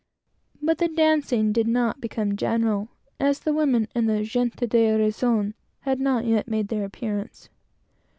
but the dancing did not become general, as the women and the "gente de razón" had not yet made their appearance.